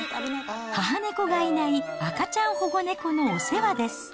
母猫がいない赤ちゃん保護猫のお世話です。